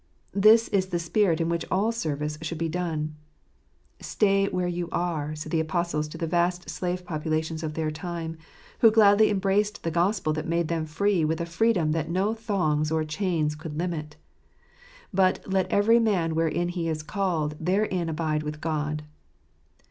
This is the spirit in which all service should be done. "Stay where you are," said the apostles to the vast slave populations of their time, who gladly embraced the Gospel that made them free with a freedom which no thongs or chains could limit But " let every man, wherein he is called, therein abide with God.